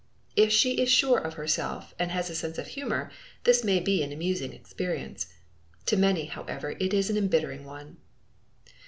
If she is sure of herself and has a sense of humor, this may be an amusing experience. To many, however, it is an embittering one!